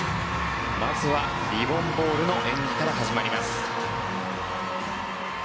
まずはリボン・ボールの演技から始まります。